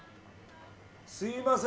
すみません